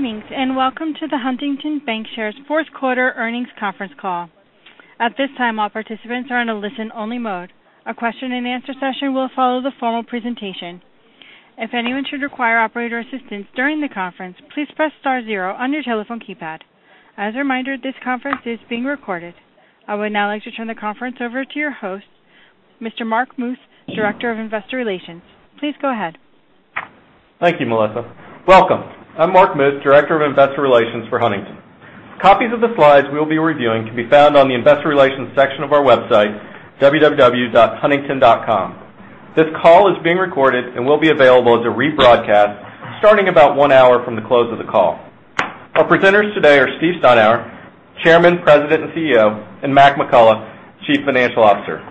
Greetings, welcome to the Huntington Bancshares fourth quarter earnings conference call. At this time, all participants are on a listen-only mode. A question and answer session will follow the formal presentation. If anyone should require operator assistance during the conference, please press star zero on your telephone keypad. As a reminder, this conference is being recorded. I would now like to turn the conference over to your host, Mr. Mark Muth, Director of Investor Relations. Please go ahead. Thank you, Melissa. Welcome. I'm Mark Muth, Director of Investor Relations for Huntington. Copies of the slides we'll be reviewing can be found on the investor relations section of our website, www.huntington.com. This call is being recorded and will be available as a broadcast starting about one hour from the close of the call. Our presenters today are Steve Steinour, Chairman, President, and CEO, and Mac McCullough, Chief Financial Officer.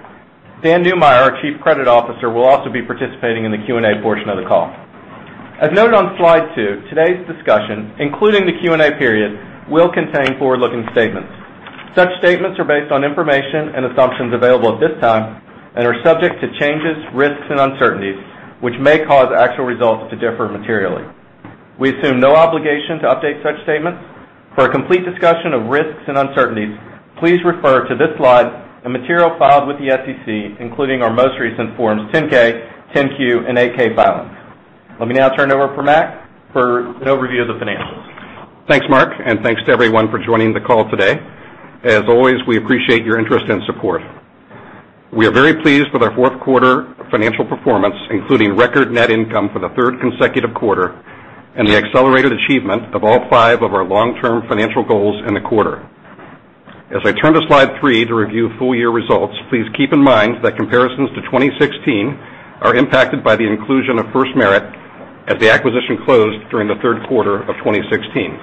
Dan Neumeier, our Chief Credit Officer, will also be participating in the Q&A portion of the call. As noted on slide two, today's discussion, including the Q&A period, will contain forward-looking statements. Such statements are based on information and assumptions available at this time and are subject to changes, risks, and uncertainties, which may cause actual results to differ materially. We assume no obligation to update such statements. For a complete discussion of risks and uncertainties, please refer to this slide and materials filed with the SEC, including our most recent Forms 10-K, 10-Q, and 8-K filings. Let me now turn it over to Mac for an overview of the financials. Thanks, Mark, thanks to everyone for joining the call today. As always, we appreciate your interest and support. We are very pleased with our fourth quarter financial performance, including record net income for the third consecutive quarter and the accelerated achievement of all five of our long-term financial goals in the quarter. As I turn to slide three to review full-year results, please keep in mind that comparisons to 2016 are impacted by the inclusion of FirstMerit as the acquisition closed during the third quarter of 2016.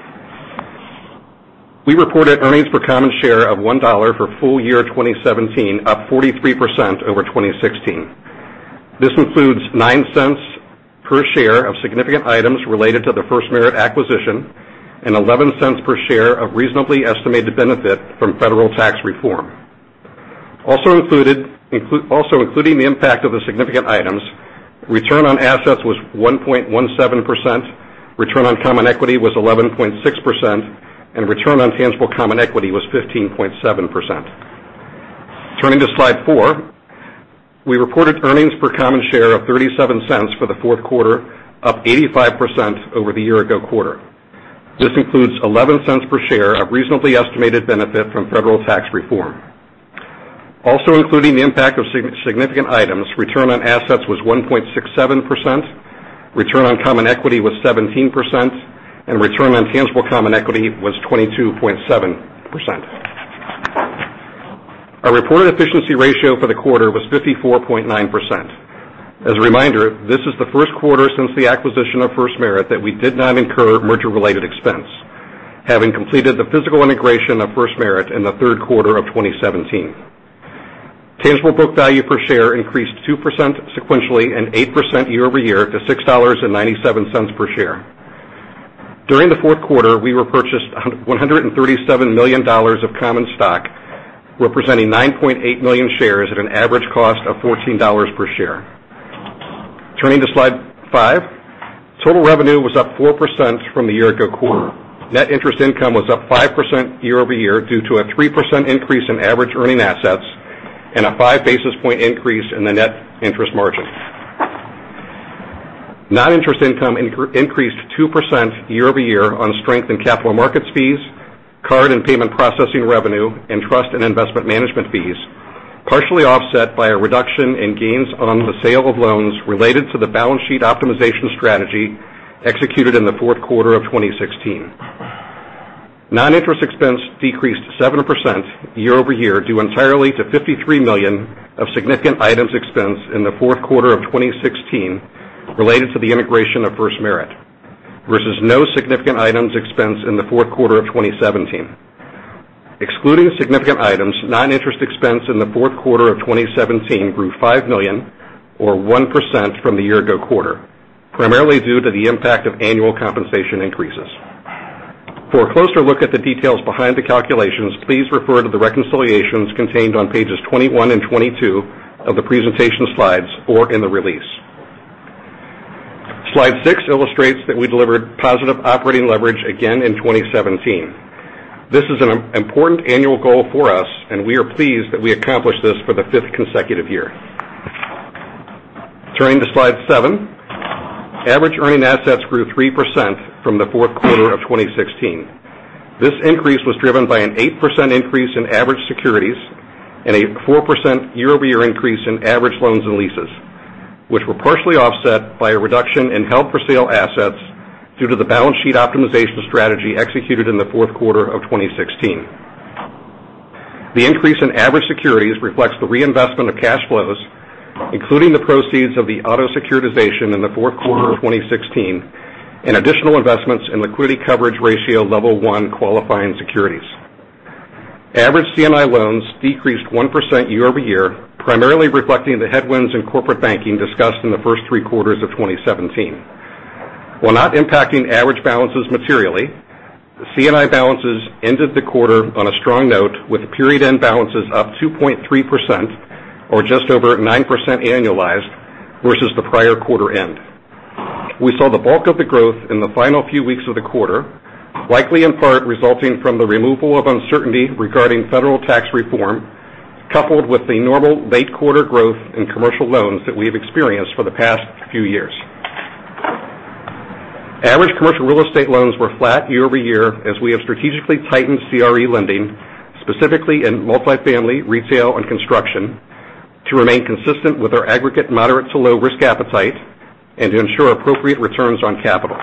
We reported earnings per common share of $1 for full-year 2017, up 43% over 2016. This includes $0.09 per share of significant items related to the FirstMerit acquisition and $0.11 per share of reasonably estimated benefit from federal tax reform. Also including the impact of the significant items, return on assets was 1.17%, return on common equity was 11.6%, and return on tangible common equity was 15.7%. Turning to slide four, we reported earnings per common share of $0.37 for the fourth quarter, up 85% over the year-ago quarter. This includes $0.11 per share of reasonably estimated benefit from federal tax reform. Also including the impact of significant items, return on assets was 1.67%, return on common equity was 17%, and return on tangible common equity was 22.7%. Our reported efficiency ratio for the quarter was 54.9%. As a reminder, this is the first quarter since the acquisition of FirstMerit that we did not incur merger-related expense, having completed the physical integration of FirstMerit in the third quarter of 2017. Tangible book value per share increased 2% sequentially and 8% year-over-year to $6.97 per share. During the fourth quarter, we repurchased $137 million of common stock, representing 9.8 million shares at an average cost of $14 per share. Turning to slide five, total revenue was up 4% from the year-ago quarter. Net interest income was up 5% year-over-year due to a 3% increase in average earning assets and a five basis point increase in the net interest margin. Non-interest income increased 2% year-over-year on strength in capital markets fees, card and payment processing revenue, and trust and investment management fees, partially offset by a reduction in gains on the sale of loans related to the balance sheet optimization strategy executed in the fourth quarter of 2016. Non-interest expense decreased 7% year-over-year due entirely to $53 million of significant items expense in the fourth quarter of 2016 related to the integration of FirstMerit, versus no significant items expense in the fourth quarter of 2017. Excluding significant items, non-interest expense in the fourth quarter of 2017 grew $5 million, or 1% from the year-ago quarter, primarily due to the impact of annual compensation increases. For a closer look at the details behind the calculations, please refer to the reconciliations contained on pages 21 and 22 of the presentation slides or in the release. Slide six illustrates that we delivered positive operating leverage again in 2017. This is an important annual goal for us, and we are pleased that we accomplished this for the fifth consecutive year. Turning to slide seven, average earning assets grew 3% from the fourth quarter of 2016. This increase was driven by an 8% increase in average securities and a 4% year-over-year increase in average loans and leases, which were partially offset by a reduction in held-for-sale assets due to the balance sheet optimization strategy executed in the fourth quarter of 2016. The increase in average securities reflects the reinvestment of cash flows, including the proceeds of the auto securitization in the fourth quarter of 2016 and additional investments in liquidity coverage ratio Level 1 qualifying securities. Average C&I loans decreased 1% year-over-year, primarily reflecting the headwinds in corporate banking discussed in the first three quarters of 2017. While not impacting average balances materially C&I balances ended the quarter on a strong note, with period-end balances up 2.3%, or just over 9% annualized versus the prior quarter end. We saw the bulk of the growth in the final few weeks of the quarter, likely in part resulting from the removal of uncertainty regarding federal tax reform, coupled with the normal late quarter growth in commercial loans that we have experienced for the past few years. Average commercial real estate loans were flat year-over-year as we have strategically tightened CRE lending, specifically in multi-family, retail and construction, to remain consistent with our aggregate moderate to low risk appetite and to ensure appropriate returns on capital.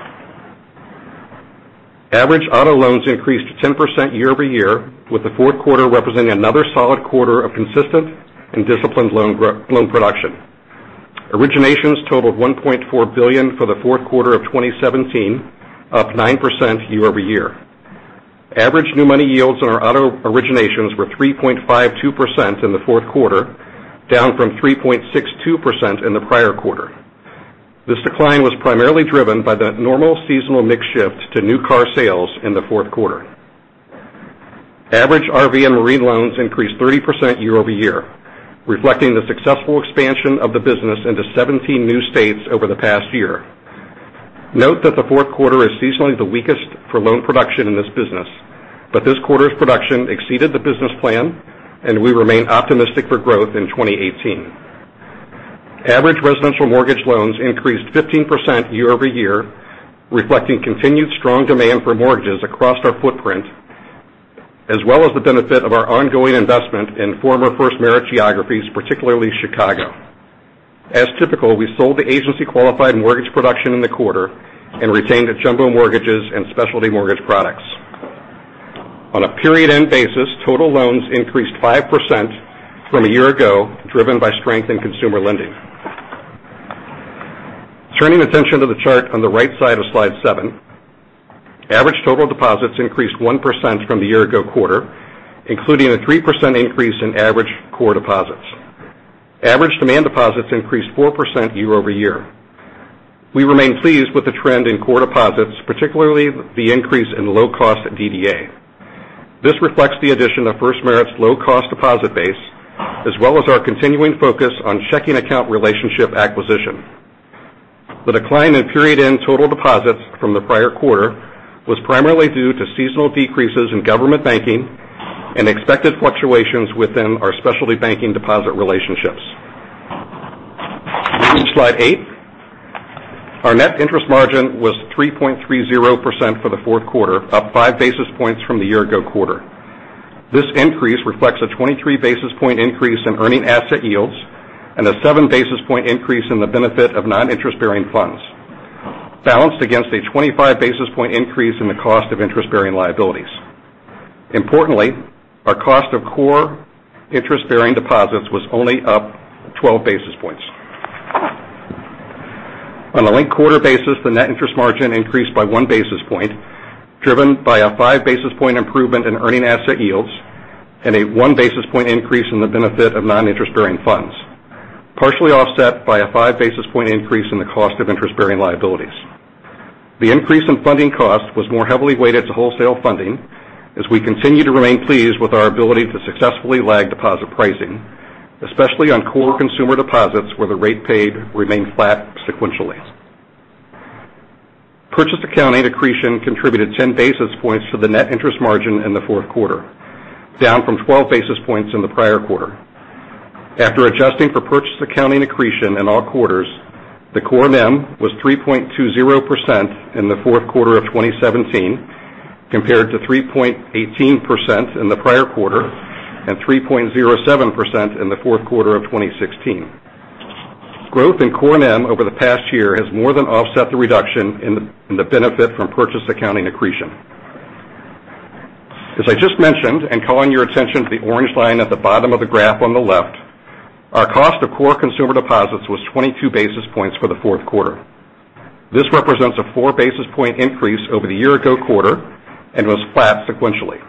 Average auto loans increased 10% year-over-year, with the fourth quarter representing another solid quarter of consistent and disciplined loan production. Originations totaled $1.4 billion for the fourth quarter of 2017, up 9% year-over-year. Average new money yields on our auto originations were 3.52% in the fourth quarter, down from 3.62% in the prior quarter. This decline was primarily driven by the normal seasonal mix shift to new car sales in the fourth quarter. Average RV and marine loans increased 30% year-over-year, reflecting the successful expansion of the business into 17 new states over the past year. Note that the fourth quarter is seasonally the weakest for loan production in this business, but this quarter's production exceeded the business plan, and we remain optimistic for growth in 2018. Average residential mortgage loans increased 15% year-over-year, reflecting continued strong demand for mortgages across our footprint, as well as the benefit of our ongoing investment in former FirstMerit geographies, particularly Chicago. As typical, we sold the agency-qualified mortgage production in the quarter and retained the jumbo mortgages and specialty mortgage products. On a period end basis, total loans increased 5% from a year ago, driven by strength in consumer lending. Turning attention to the chart on the right side of slide seven, average total deposits increased 1% from the year ago quarter, including a 3% increase in average core deposits. Average demand deposits increased 4% year-over-year. We remain pleased with the trend in core deposits, particularly the increase in low-cost DDA. This reflects the addition of FirstMerit's low-cost deposit base, as well as our continuing focus on checking account relationship acquisition. The decline in period-end total deposits from the prior quarter was primarily due to seasonal decreases in government banking and expected fluctuations within our specialty banking deposit relationships. Moving to slide eight. Our Net Interest Margin was 3.30% for the fourth quarter, up five basis points from the year ago quarter. This increase reflects a 23-basis point increase in earning asset yields and a seven-basis point increase in the benefit of non-interest-bearing funds, balanced against a 25-basis point increase in the cost of interest-bearing liabilities. Importantly, our cost of core interest-bearing deposits was only up 12 basis points. On a linked-quarter basis, the Net Interest Margin increased by one basis point, driven by a five-basis point improvement in earning asset yields and a one-basis point increase in the benefit of non-interest-bearing funds, partially offset by a five-basis point increase in the cost of interest-bearing liabilities. The increase in funding cost was more heavily weighted to wholesale funding as we continue to remain pleased with our ability to successfully lag deposit pricing, especially on core consumer deposits where the rate paid remained flat sequentially. Purchase accounting accretion contributed 10 basis points to the net interest margin in the fourth quarter, down from 12 basis points in the prior quarter. After adjusting for purchase accounting accretion in all quarters, the core NIM was 3.20% in the fourth quarter of 2017 compared to 3.18% in the prior quarter and 3.07% in the fourth quarter of 2016. Growth in core NIM over the past year has more than offset the reduction in the benefit from purchase accounting accretion. As I just mentioned, and calling your attention to the orange line at the bottom of the graph on the left, our cost of core consumer deposits was 22 basis points for the fourth quarter. This represents a four-basis point increase over the year ago quarter and was flat sequentially,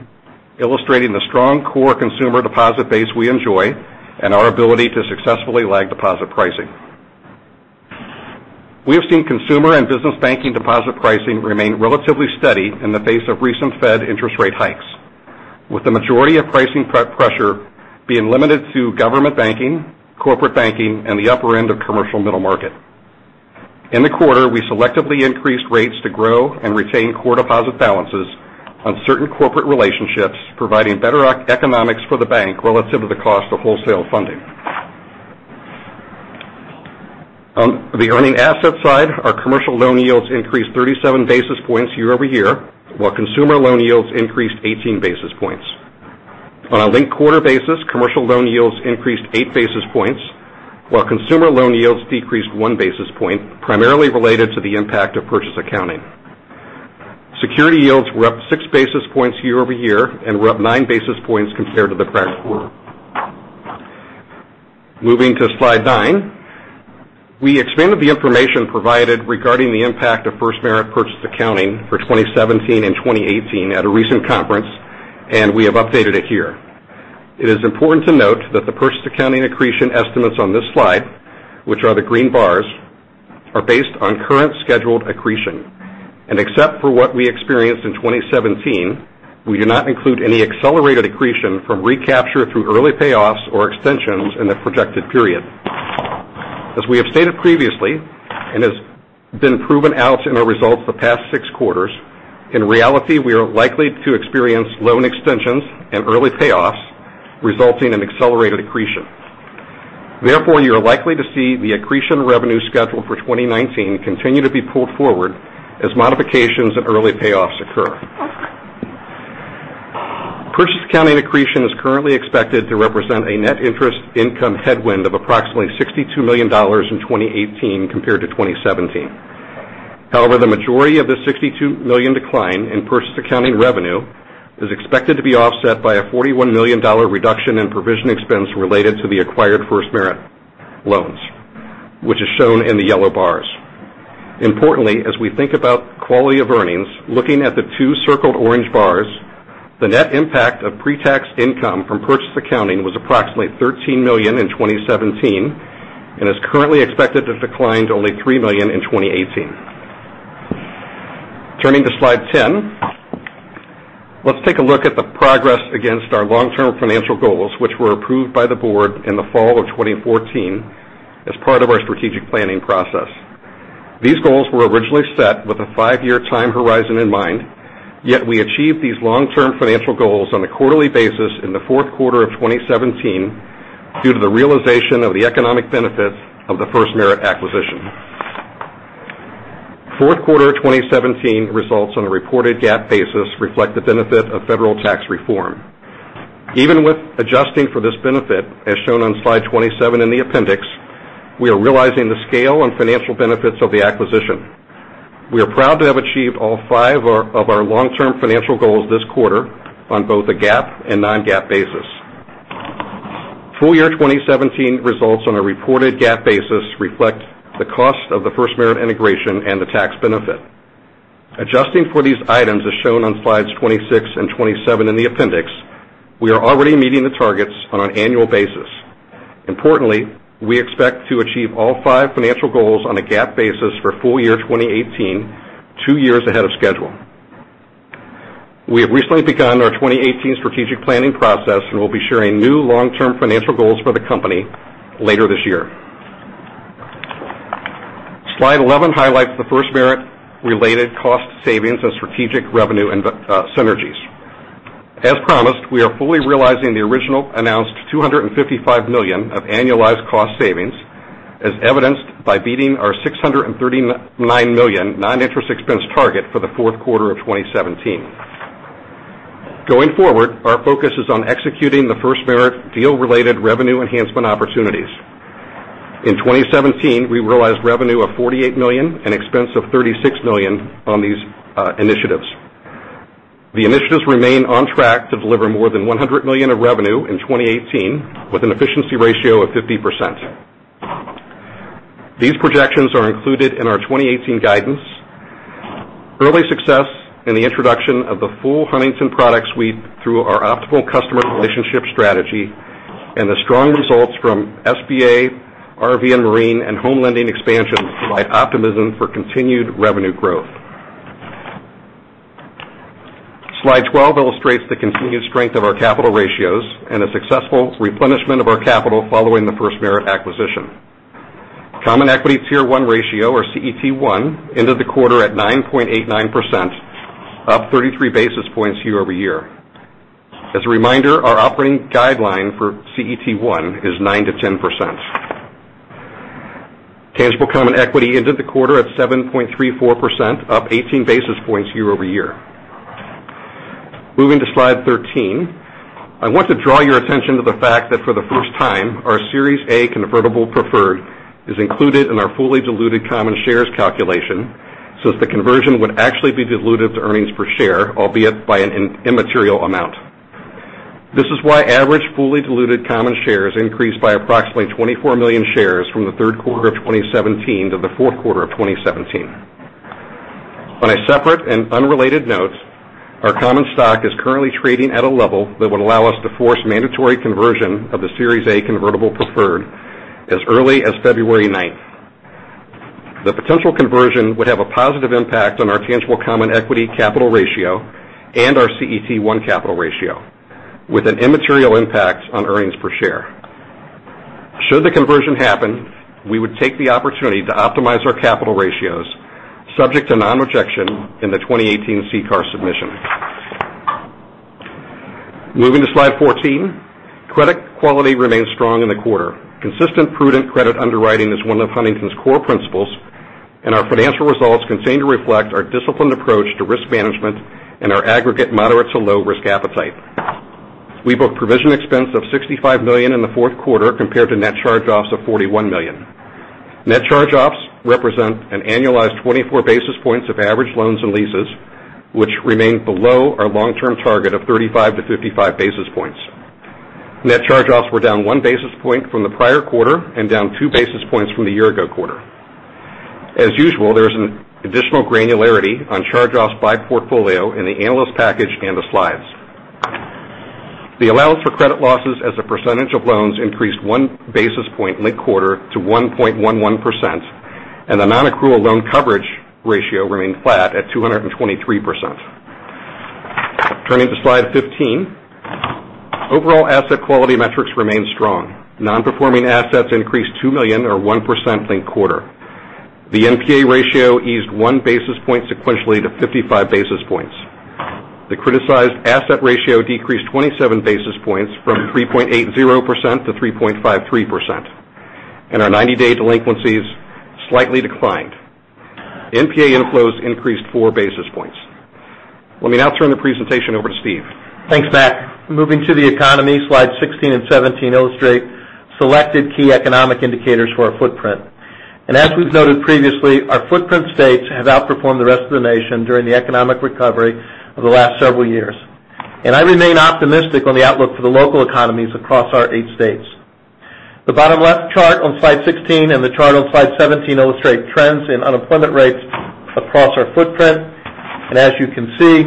illustrating the strong core consumer deposit base we enjoy and our ability to successfully lag deposit pricing. We have seen consumer and business banking deposit pricing remain relatively steady in the face of recent Fed interest rate hikes, with the majority of pricing pressure being limited to government banking, corporate banking, and the upper end of commercial middle market. In the quarter, we selectively increased rates to grow and retain core deposit balances on certain corporate relationships, providing better economics for the bank relative to the cost of wholesale funding. On the earning asset side, our commercial loan yields increased 37 basis points year-over-year, while consumer loan yields increased 18 basis points. On a linked-quarter basis, commercial loan yields increased eight basis points, while consumer loan yields decreased one basis point, primarily related to the impact of purchase accounting. Security yields were up six basis points year-over-year and were up nine basis points compared to the prior quarter. Moving to slide nine. We expanded the information provided regarding the impact of FirstMerit purchase accounting for 2017 and 2018 at a recent conference, and we have updated it here. Except for what we experienced in 2017, we do not include any accelerated accretion from recapture through early payoffs or extensions in the projected period. As we have stated previously, and has been proven out in our results the past six quarters, in reality, we are likely to experience loan extensions and early payoffs, resulting in accelerated accretion. Therefore, you are likely to see the accretion revenue scheduled for 2019 continue to be pulled forward as modifications and early payoffs occur. Purchase accounting accretion is currently expected to represent a net interest income headwind of approximately $62 million in 2018 compared to 2017. However, the majority of the $62 million decline in purchase accounting revenue is expected to be offset by a $41 million reduction in provision expense related to the acquired FirstMerit loans, which is shown in the yellow bars. Importantly, as we think about quality of earnings, looking at the two circled orange bars, the net impact of pre-tax income from purchase accounting was approximately $13 million in 2017 and is currently expected to decline to only $3 million in 2018. Turning to slide 10, let's take a look at the progress against our long-term financial goals, which were approved by the board in the fall of 2014 as part of our strategic planning process. These goals were originally set with a five-year time horizon in mind, yet we achieved these long-term financial goals on a quarterly basis in the fourth quarter of 2017 due to the realization of the economic benefits of the FirstMerit acquisition. Fourth quarter 2017 results on a reported GAAP basis reflect the benefit of federal tax reform. Even with adjusting for this benefit, as shown on slide 27 in the appendix, we are realizing the scale and financial benefits of the acquisition. We are proud to have achieved all five of our long-term financial goals this quarter on both a GAAP and non-GAAP basis. Full year 2017 results on a reported GAAP basis reflect the cost of the FirstMerit integration and the tax benefit. Adjusting for these items, as shown on slides 26 and 27 in the appendix, we are already meeting the targets on an annual basis. Importantly, we expect to achieve all five financial goals on a GAAP basis for full year 2018, two years ahead of schedule. We have recently begun our 2018 strategic planning process and will be sharing new long-term financial goals for the company later this year. Slide 11 highlights the FirstMerit-related cost savings and strategic revenue synergies. As promised, we are fully realizing the original announced $255 million of annualized cost savings, as evidenced by beating our $639 million non-interest expense target for the fourth quarter of 2017. Going forward, our focus is on executing the FirstMerit deal-related revenue enhancement opportunities. In 2017, we realized revenue of $48 million and expense of $36 million on these initiatives. The initiatives remain on track to deliver more than $100 million of revenue in 2018 with an efficiency ratio of 50%. These projections are included in our 2018 guidance. Early success in the introduction of the full Huntington product suite through our Optimal Customer Relationship strategy and the strong results from SBA, RV and marine, and home lending expansion provide optimism for continued revenue growth. Slide 12 illustrates the continued strength of our capital ratios and a successful replenishment of our capital following the FirstMerit acquisition. Common equity tier one ratio, or CET1, ended the quarter at 9.89%, up 33 basis points year-over-year. As a reminder, our operating guideline for CET1 is 9%-10%. Tangible common equity ended the quarter at 7.34%, up 18 basis points year-over-year. Moving to slide 13, I want to draw your attention to the fact that for the first time, our Series A convertible preferred is included in our fully diluted common shares calculation, since the conversion would actually be dilutive to earnings per share, albeit by an immaterial amount. This is why average fully diluted common shares increased by approximately 24 million shares from the third quarter of 2017 to the fourth quarter of 2017. On a separate and unrelated note, our common stock is currently trading at a level that would allow us to force mandatory conversion of the Series A convertible preferred as early as February 9th. The potential conversion would have a positive impact on our tangible common equity capital ratio and our CET1 capital ratio with an immaterial impact on earnings per share. Should the conversion happen, we would take the opportunity to optimize our capital ratios subject to non-rejection in the 2018 CCAR submission. Moving to slide 14, credit quality remained strong in the quarter. Consistent, prudent credit underwriting is one of Huntington's core principles, and our financial results continue to reflect our disciplined approach to risk management and our aggregate moderate to low risk appetite. We booked provision expense of $65 million in the fourth quarter compared to net charge-offs of $41 million. Net charge-offs represent an annualized 24 basis points of average loans and leases, which remain below our long-term target of 35 to 55 basis points. Net charge-offs were down one basis point from the prior quarter and down two basis points from the year ago quarter. As usual, there is an additional granularity on charge-offs by portfolio in the analyst package and the slides. The allowance for credit losses as a percentage of loans increased one basis point linked quarter to 1.11%, and the non-accrual loan coverage ratio remained flat at 223%. Turning to slide 15. Overall asset quality metrics remain strong. Non-performing assets increased $2 million or 1% linked quarter. The NPA ratio eased one basis point sequentially to 55 basis points. The criticized asset ratio decreased 27 basis points from 3.80% to 3.53%. Our 90-day delinquencies slightly declined. NPA inflows increased four basis points. Let me now turn the presentation over to Steve. Thanks, Mac. Moving to the economy, slides 16 and 17 illustrate selected key economic indicators for our footprint. As we've noted previously, our footprint states have outperformed the rest of the nation during the economic recovery over the last several years. I remain optimistic on the outlook for the local economies across our eight states. The bottom left chart on slide 16 and the chart on slide 17 illustrate trends in unemployment rates across our footprint. As you can see,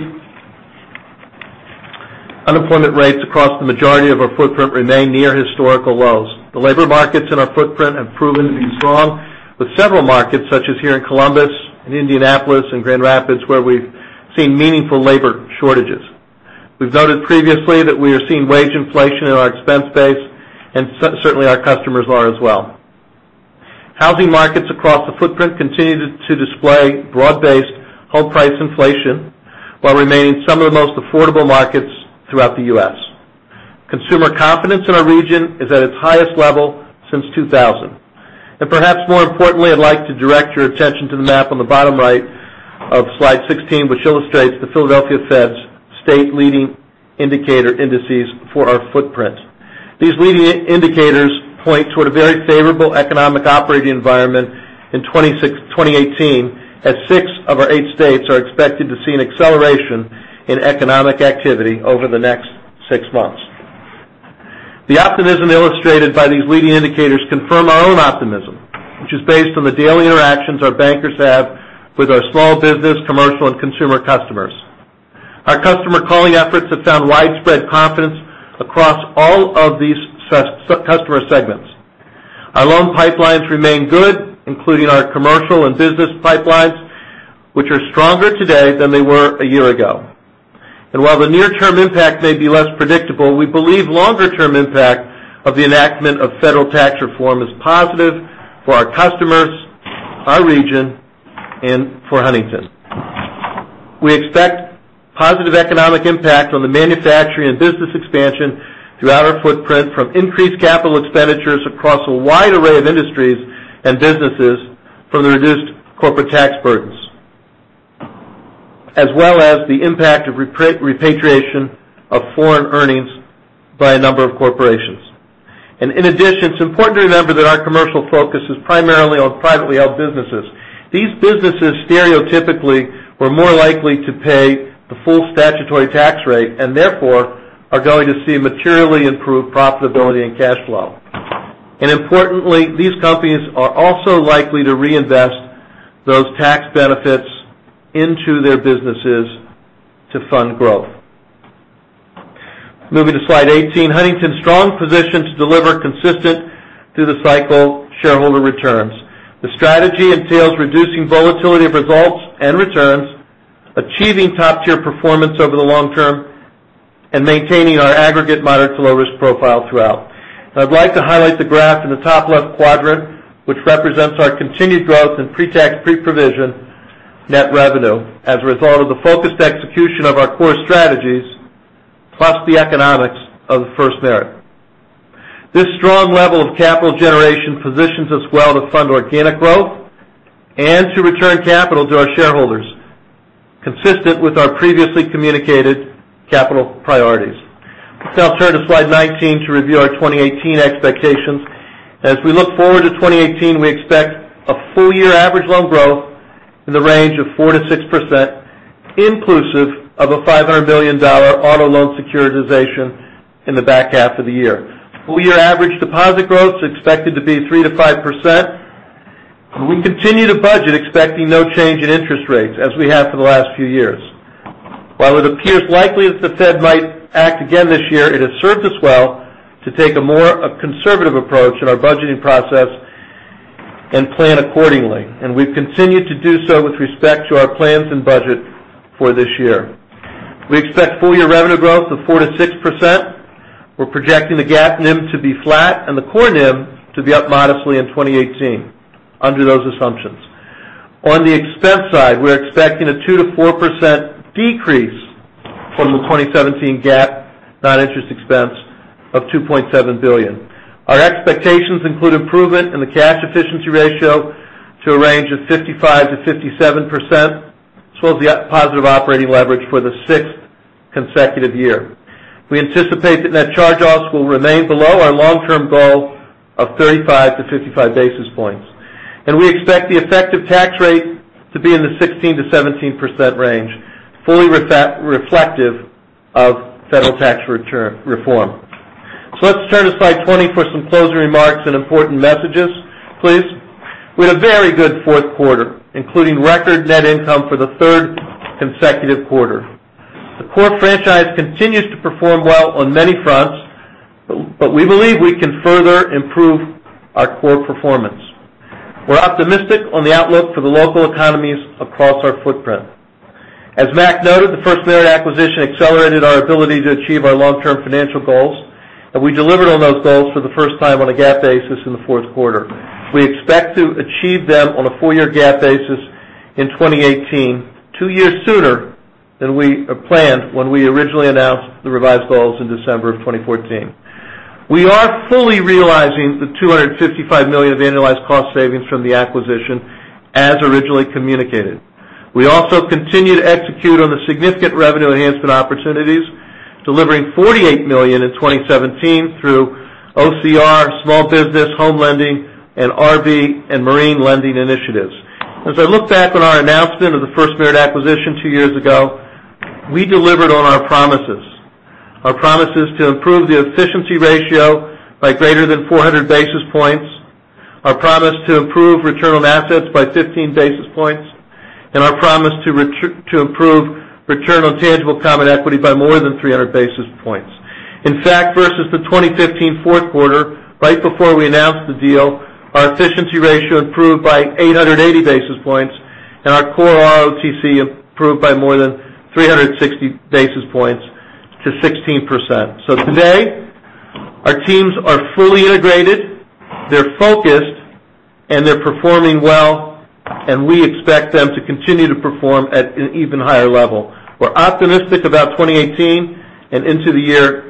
unemployment rates across the majority of our footprint remain near historical lows. The labor markets in our footprint have proven to be strong with several markets, such as here in Columbus, in Indianapolis, and Grand Rapids, where we've seen meaningful labor shortages. We've noted previously that we are seeing wage inflation in our expense base and certainly our customers are as well. Housing markets across the footprint continue to display broad-based home price inflation while remaining some of the most affordable markets throughout the U.S. Consumer confidence in our region is at its highest level since 2000. Perhaps more importantly, I'd like to direct your attention to the map on the bottom right of slide 16, which illustrates the Philadelphia Fed's state leading indicator indices for our footprint. These leading indicators point toward a very favorable economic operating environment in 2018, as six of our eight states are expected to see an acceleration in economic activity over the next six months. The optimism illustrated by these leading indicators confirm our own optimism, which is based on the daily interactions our bankers have with our small business, commercial, and consumer customers. Our customer calling efforts have found widespread confidence across all of these customer segments. Our loan pipelines remain good, including our commercial and business pipelines, which are stronger today than they were a year ago. While the near-term impact may be less predictable, we believe longer-term impact of the enactment of federal tax reform is positive for our customers, our region, and for Huntington. We expect positive economic impact on the manufacturing and business expansion throughout our footprint from increased capital expenditures across a wide array of industries and businesses from the reduced corporate tax burdens, as well as the impact of repatriation of foreign earnings by a number of corporations. In addition, it's important to remember that our commercial focus is primarily on privately held businesses. These businesses stereotypically were more likely to pay the full statutory tax rate, and therefore are going to see materially improved profitability and cash flow. Importantly, these companies are also likely to reinvest those tax benefits into their businesses to fund growth. Moving to slide 18, Huntington's strong position to deliver consistent through the cycle shareholder returns. The strategy entails reducing volatility of results and returns, achieving top-tier performance over the long term, and maintaining our aggregate moderate to low risk profile throughout. I'd like to highlight the graph in the top left quadrant, which represents our continued growth in pre-tax, pre-provision net revenue as a result of the focused execution of our core strategies, plus the economics of FirstMerit. This strong level of capital generation positions us well to fund organic growth and to return capital to our shareholders consistent with our previously communicated capital priorities. Let's now turn to slide 19 to review our 2018 expectations. As we look forward to 2018, we expect a full year average loan growth in the range of 4%-6%, inclusive of a $500 million auto loan securitization in the back half of the year. Full year average deposit growth is expected to be 3%-5%. We continue to budget expecting no change in interest rates as we have for the last few years. While it appears likely that the Fed might act again this year, it has served us well to take a more conservative approach in our budgeting process and plan accordingly. We've continued to do so with respect to our plans and budget for this year. We expect full year revenue growth of 4%-6%. We're projecting the GAAP NIM to be flat and the core NIM to be up modestly in 2018 under those assumptions. On the expense side, we're expecting a 2%-4% decrease from the 2017 GAAP non-interest expense of $2.7 billion. Our expectations include improvement in the cash efficiency ratio to a range of 55%-57%, as well as the positive operating leverage for the sixth consecutive year. We anticipate the net charge-offs will remain below our long-term goal of 35 to 55 basis points, and we expect the effective tax rate to be in the 16%-17% range, fully reflective of federal tax reform. Let's turn to slide 20 for some closing remarks and important messages, please. We had a very good fourth quarter, including record net income for the third consecutive quarter. The core franchise continues to perform well on many fronts, but we believe we can further improve our core performance. We're optimistic on the outlook for the local economies across our footprint. As Mac noted, the FirstMerit acquisition accelerated our ability to achieve our long-term financial goals. We delivered on those goals for the first time on a GAAP basis in the fourth quarter. We expect to achieve them on a full-year GAAP basis in 2018, two years sooner than we planned when we originally announced the revised goals in December of 2014. We are fully realizing the $255 million of annualized cost savings from the acquisition as originally communicated. We also continue to execute on the significant revenue enhancement opportunities, delivering $48 million in 2017 through OCR, small business, home lending, and RV and marine lending initiatives. As I look back on our announcement of the FirstMerit acquisition two years ago, we delivered on our promises. Our promises to improve the efficiency ratio by greater than 400 basis points, our promise to improve return on assets by 15 basis points, and our promise to improve return on tangible common equity by more than 300 basis points. In fact, versus the 2015 fourth quarter, right before we announced the deal, our efficiency ratio improved by 880 basis points, and our core ROTCE improved by more than 360 basis points to 16%. Today, our teams are fully integrated, they're focused, and they're performing well, and we expect them to continue to perform at an even higher level. We're optimistic about 2018 and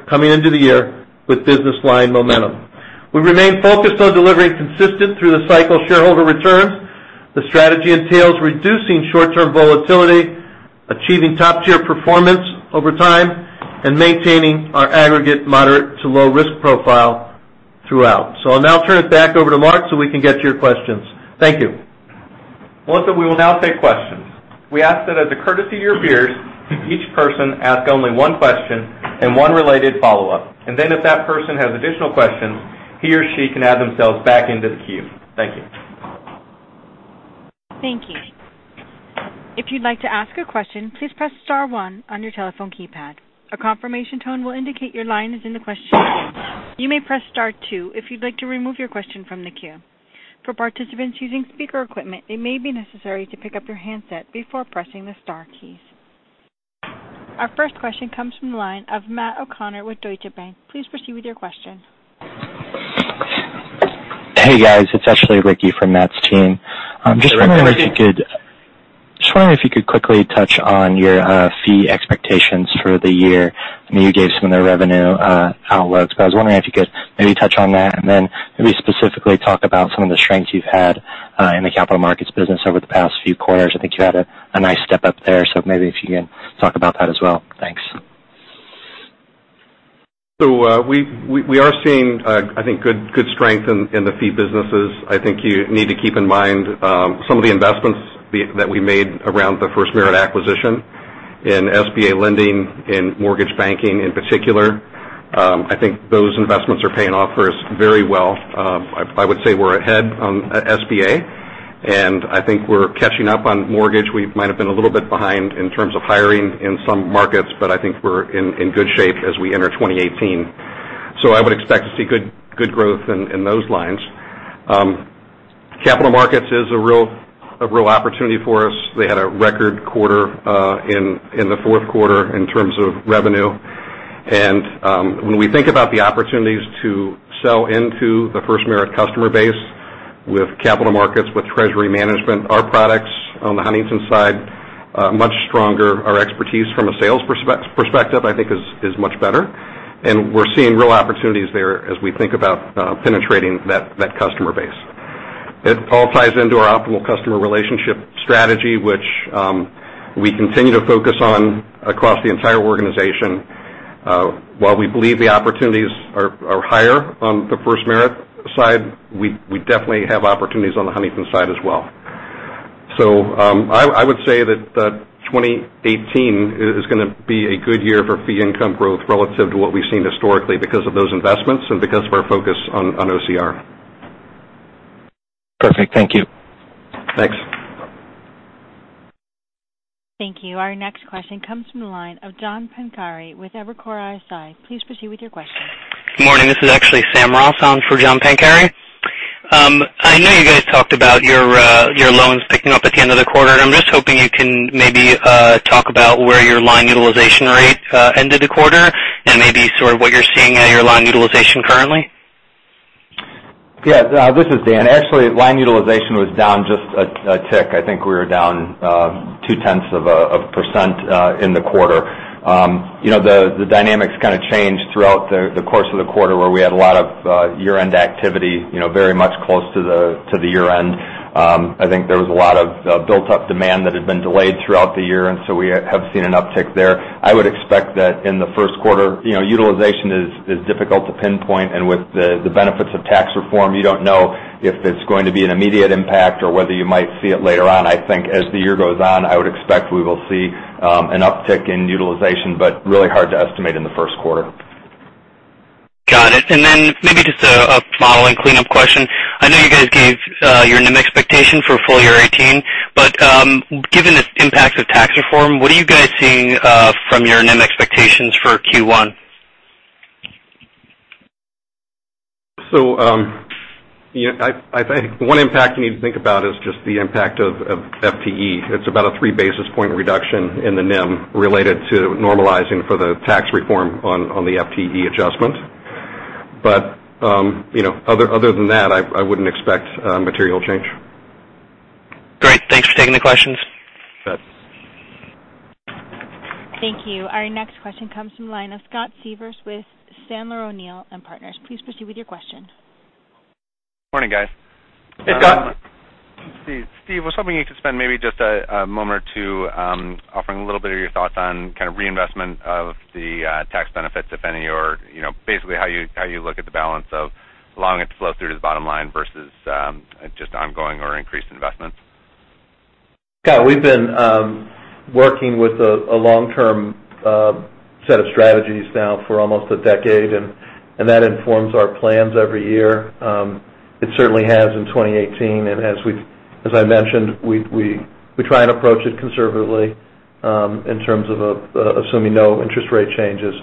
coming into the year with business line momentum. We remain focused on delivering consistent through-the-cycle shareholder returns. The strategy entails reducing short-term volatility, achieving top-tier performance over time, and maintaining our aggregate moderate to low risk profile throughout. I'll now turn it back over to Mark so we can get to your questions. Thank you. Melissa, we will now take questions. We ask that as a courtesy to your peers, each person ask only one question and one related follow-up. Then if that person has additional questions, he or she can add themselves back into the queue. Thank you. Thank you. If you'd like to ask a question, please press *1 on your telephone keypad. A confirmation tone will indicate your line is in the question queue. You may press *2 if you'd like to remove your question from the queue. For participants using speaker equipment, it may be necessary to pick up your handset before pressing the star keys. Our first question comes from the line of Matt O'Connor with Deutsche Bank. Please proceed with your question. Hey, guys. It's actually Ricky from Matt's team. Hey, Ricky. Just wondering if you could quickly touch on your fee expectations for the year. I know you gave some of the revenue outlooks, but I was wondering if you could maybe touch on that, and then maybe specifically talk about some of the strengths you've had in the capital markets business over the past few quarters. I think you had a nice step up there, so maybe if you can talk about that as well. Thanks. We are seeing, I think, good strength in the fee businesses. I think you need to keep in mind some of the investments that we made around the FirstMerit acquisition in SBA lending, in mortgage banking in particular. I think those investments are paying off for us very well. I would say we're ahead on SBA, and I think we're catching up on mortgage. We might have been a little bit behind in terms of hiring in some markets, but I think we're in good shape as we enter 2018. I would expect to see good growth in those lines. Capital markets is a real opportunity for us. They had a record quarter in the fourth quarter in terms of revenue. When we think about the opportunities to sell into the FirstMerit customer base with capital markets, with treasury management, our products on the Huntington side are much stronger. Our expertise from a sales perspective, I think, is much better. We're seeing real opportunities there as we think about penetrating that customer base. It all ties into our Optimal Customer Relationship strategy, which we continue to focus on across the entire organization. While we believe the opportunities are higher on the FirstMerit side, we definitely have opportunities on the Huntington side as well. I would say that 2018 is going to be a good year for fee income growth relative to what we've seen historically because of those investments and because of our focus on OCR. Perfect. Thank you. Thanks. Thank you. Our next question comes from the line of John Pancari with Evercore ISI. Please proceed with your question. Good morning. This is actually Sam Rawlston for John Pancari. I know you guys talked about your loans picking up at the end of the quarter. I'm just hoping you can maybe talk about where your line utilization rate ended the quarter and maybe sort of what you're seeing at your line utilization currently. Yeah. This is Dan. Actually, line utilization was down just a tick. I think we were down two-tenths of a % in the quarter. The dynamics kind of changed throughout the course of the quarter where we had a lot of year-end activity very much close to the year-end. I think there was a lot of built-up demand that had been delayed throughout the year, and so we have seen an uptick there. I would expect that in the first quarter, utilization is difficult to pinpoint, and with the benefits of tax reform, you don't know if it's going to be an immediate impact or whether you might see it later on. I think as the year goes on, I would expect we will see an uptick in utilization, but really hard to estimate in the first quarter. Maybe just a following cleanup question. I know you guys gave your NIM expectation for full year 2018, but given the impact of tax reform, what are you guys seeing from your NIM expectations for Q1? I think one impact you need to think about is just the impact of FTE. It's about a three basis point reduction in the NIM related to normalizing for the tax reform on the FTE adjustment. Other than that, I wouldn't expect a material change. Great. Thanks for taking the questions. You bet. Thank you. Our next question comes from the line of Scott Siefers with Sandler O'Neill + Partners. Please proceed with your question. Morning, guys. Hey, Scott. Steve, I was hoping you could spend maybe just a moment or two offering a little bit of your thoughts on kind of reinvestment of the tax benefits, if any, or basically how you look at the balance of allowing it to flow through to the bottom line versus just ongoing or increased investments. Scott, we've been working with a long-term set of strategies now for almost a decade. That informs our plans every year. It certainly has in 2018. As I mentioned, we try and approach it conservatively in terms of assuming no interest rate changes.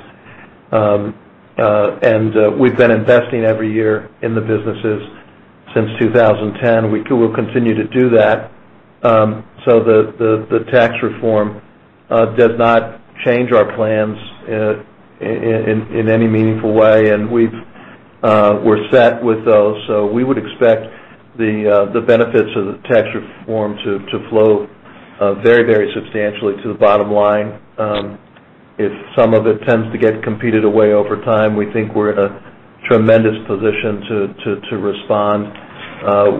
We've been investing every year in the businesses since 2010. We will continue to do that. The tax reform does not change our plans in any meaningful way. We're set with those. We would expect the benefits of the tax reform to flow very substantially to the bottom line. If some of it tends to get competed away over time, we think we're in a tremendous position to respond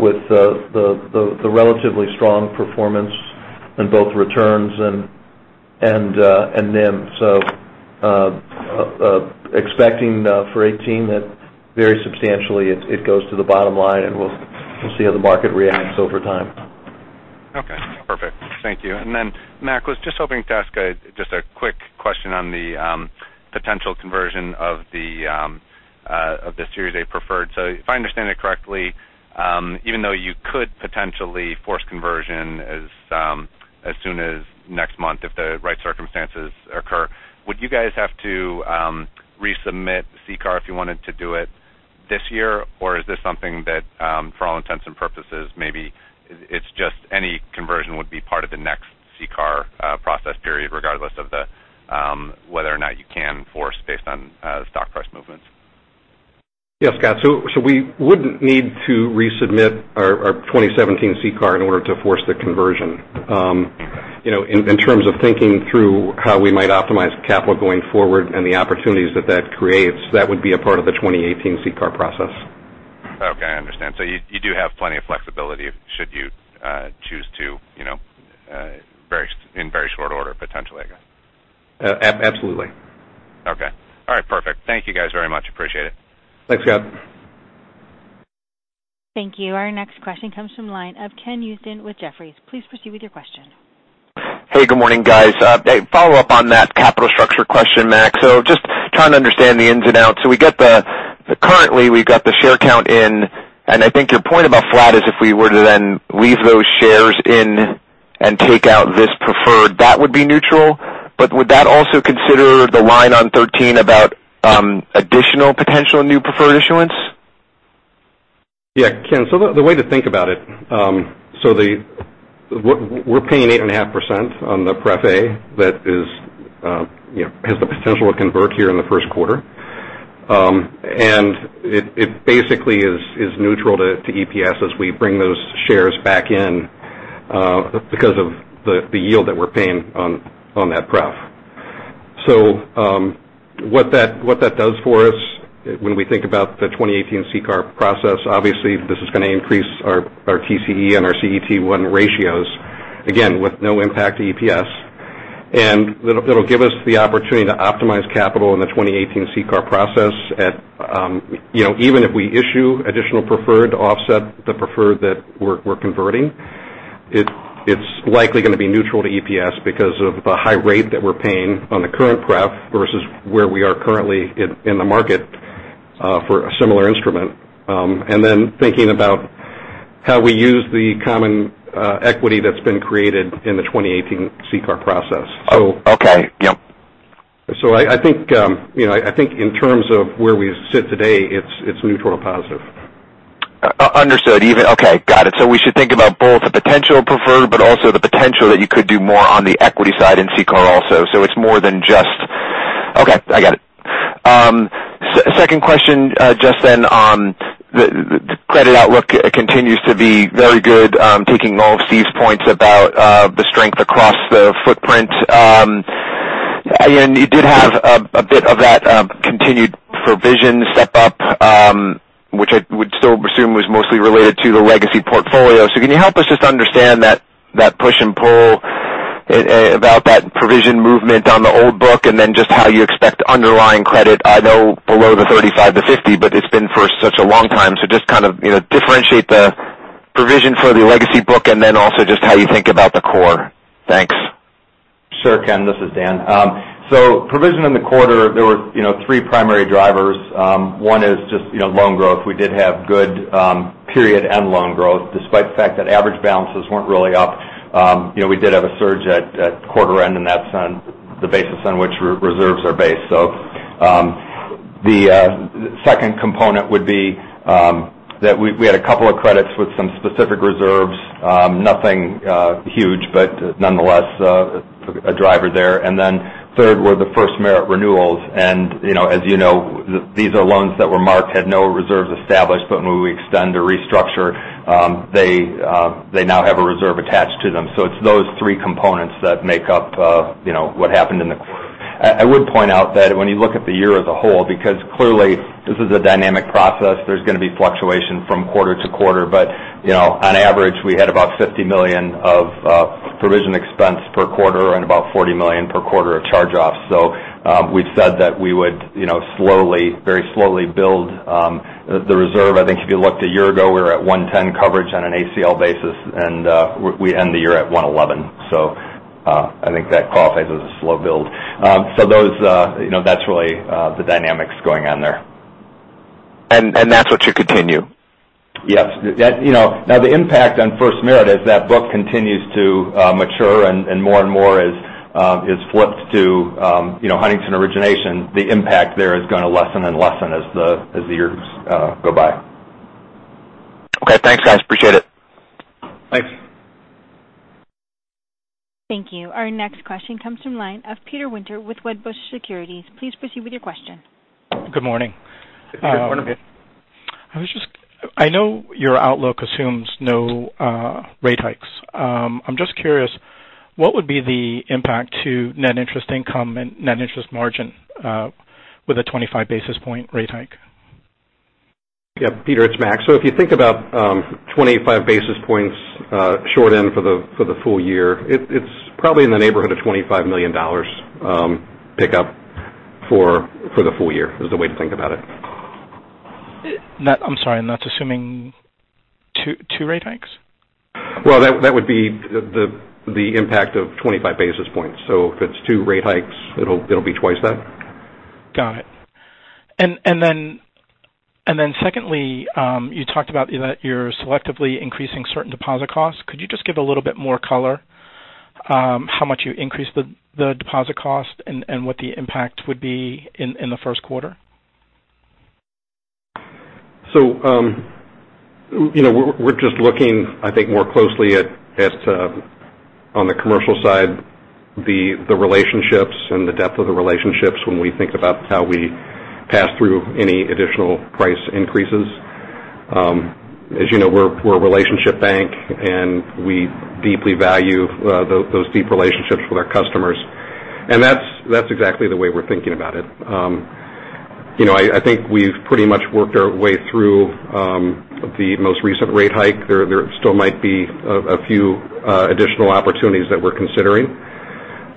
with the relatively strong performance in both returns and NIM. Expecting for 2018 that very substantially it goes to the bottom line, and we'll see how the market reacts over time. Okay, perfect. Thank you. Then, Mac, was just hoping to ask just a quick question on the potential conversion of the Series A preferred. If I understand it correctly, even though you could potentially force conversion as soon as next month if the right circumstances occur, would you guys have to resubmit CCAR if you wanted to do it this year? Is this something that for all intents and purposes maybe it's just any conversion would be part of the next CCAR process period regardless of whether or not you can force based on stock price movements? Yes, Scott. We wouldn't need to resubmit our 2017 CCAR in order to force the conversion. In terms of thinking through how we might optimize capital going forward and the opportunities that that creates, that would be a part of the 2018 CCAR process. Okay, I understand. You do have plenty of flexibility should you choose to in very short order potentially, I guess. Absolutely. Okay. All right, perfect. Thank you guys very much. Appreciate it. Thanks, Scott. Thank you. Our next question comes from the line of Ken Usdin with Jefferies. Please proceed with your question. Hey, good morning, guys. A follow-up on that capital structure question, Mac. Just trying to understand the ins and outs. Currently we've got the share count in, and I think your point about flat is if we were to then leave those shares in and take out this preferred, that would be neutral. Would that also consider the line on 13 about additional potential new preferred issuance? Yeah, Ken. The way to think about it, we're paying 8.5% on the Pref A that has the potential to convert here in the first quarter. It basically is neutral to EPS as we bring those shares back in because of the yield that we're paying on that pref. What that does for us when we think about the 2018 CCAR process, obviously this is going to increase our TCE and our CET1 ratios, again, with no impact to EPS. It'll give us the opportunity to optimize capital in the 2018 CCAR process at even if we issue additional preferred to offset the preferred that we're converting, it's likely going to be neutral to EPS because of the high rate that we're paying on the current pref versus where we are currently in the market for a similar instrument. Then thinking about how we use the common equity that's been created in the 2018 CCAR process. Okay. Yep. I think in terms of where we sit today, it's neutral to positive. Understood. Okay, got it. We should think about both the potential preferred, but also the potential that you could do more on the equity side in CCAR also. It's more than just okay, I got it. Second question, just then on the credit outlook continues to be very good, taking all of Steve's points about the strength across the footprint. You did have a bit of that continued provision step up which I would still presume was mostly related to the legacy portfolio. Can you help us just understand that push and pull about that provision movement on the old book and then just how you expect underlying credit? I know below the 35-50, but it's been for such a long time. Just kind of differentiate the provision for the legacy book and then also just how you think about the core. Thanks. Sure, Ken. This is Dan. Provision in the quarter, there were three primary drivers. One is just loan growth. We did have good period end loan growth despite the fact that average balances weren't really up. We did have a surge at quarter end, and that's on the basis on which reserves are based. The second component would be that we had a couple of credits with some specific reserves. Nothing huge, but nonetheless, a driver there. Then third were the FirstMerit renewals. As you know, these are loans that were marked, had no reserves established, but when we extend or restructure, they now have a reserve attached to them. It's those three components that make up what happened in the quarter. I would point out that when you look at the year as a whole, because clearly this is a dynamic process, there's going to be fluctuation from quarter to quarter. On average, we had about $50 million of provision expense per quarter and about $40 million per quarter of charge-offs. We've said that we would very slowly build the reserve. I think if you looked a year ago, we were at 110 coverage on an ACL basis, and we end the year at 111. I think that qualifies as a slow build. That's really the dynamics going on there. That's what you continue. Yes. Now the impact on FirstMerit as that book continues to mature and more and more is flipped to Huntington origination, the impact there is going to lessen and lessen as the years go by. Okay. Thanks, guys. Appreciate it. Thanks. Thank you. Our next question comes from line of Peter with Wedbush Securities. Please proceed with your question. Good morning. Good morning, Peter. I know your outlook assumes no rate hikes. I'm just curious, what would be the impact to net interest income and net interest margin with a 25 basis point rate hike? Yeah, Peter, it's Mac. If you think about 25 basis points short end for the full year, it's probably in the neighborhood of $25 million pickup for the full year is the way to think about it. I'm sorry. That's assuming two rate hikes? Well, that would be the impact of 25 basis points. If it's two rate hikes, it'll be twice that. Got it. Then secondly, you talked about that you're selectively increasing certain deposit costs. Could you just give a little bit more color how much you increased the deposit cost and what the impact would be in the first quarter? We're just looking, I think, more closely at, on the commercial side, the relationships and the depth of the relationships when we think about how we pass through any additional price increases. As you know, we're a relationship bank, and we deeply value those deep relationships with our customers. That's exactly the way we're thinking about it. I think we've pretty much worked our way through the most recent rate hike. There still might be a few additional opportunities that we're considering.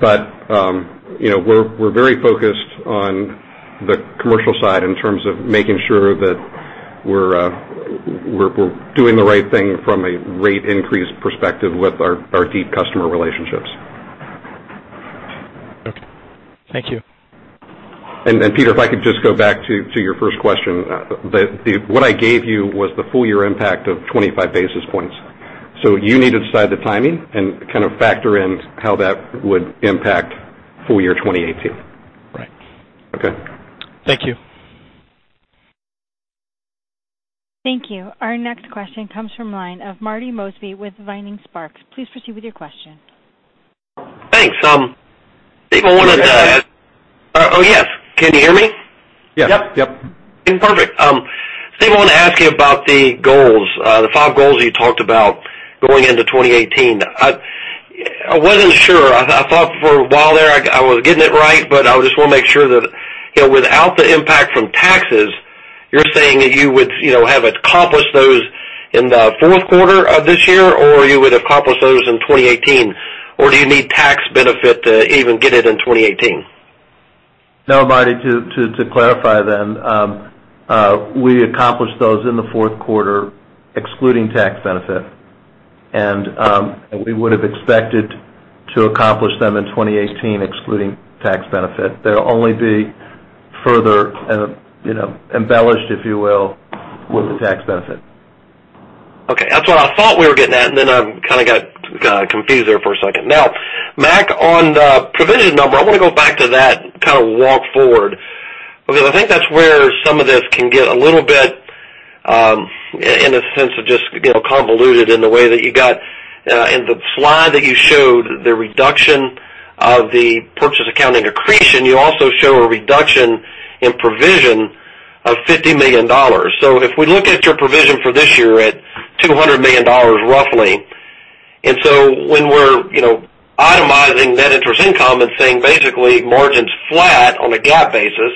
We're very focused on the commercial side in terms of making sure that we're doing the right thing from a rate increase perspective with our deep customer relationships. Okay. Thank you. Peter, if I could just go back to your first question. What I gave you was the full year impact of 25 basis points. You need to decide the timing and kind of factor in how that would impact full year 2018. Right. Okay. Thank you. Thank you. Our next question comes from line of Marty Mosby with Vining Sparks. Please proceed with your question. Thanks. Steve, Hey, Marty. Oh, yes. Can you hear me? Yes. Yep. Perfect. Steve, I wanted to ask you about the goals, the five goals you talked about going into 2018. I wasn't sure. I thought for a while there I was getting it right, but I just want to make sure that without the impact from taxes, you're saying that you would have accomplished those in the fourth quarter of this year, or you would accomplish those in 2018, or do you need tax benefit to even get it in 2018? No, Marty, to clarify then. We accomplished those in the fourth quarter excluding tax benefit, we would have expected to accomplish them in 2018, excluding tax benefit. They'll only be further embellished, if you will, with the tax benefit. Okay. That's what I thought we were getting at, and then I kind of got confused there for a second. Now, Mac, on the provision number, I want to go back to that kind of walk forward because I think that's where some of this can get a little bit, in a sense, convoluted in the way that you got in the slide that you showed the reduction of the purchase accounting accretion. You also show a reduction in provision of $50 million. If we look at your provision for this year at $200 million roughly. When we're itemizing net interest income and saying basically margin's flat on a GAAP basis,